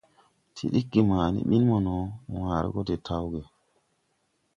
Ti ɗiggi ma ɓin mono, wããre gɔ de tawge.